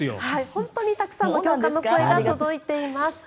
本当にたくさんの共感の声が届いています。